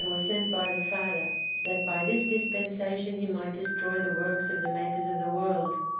was sent by the father, that by this dispensation he might destroy the works of the makers of the world.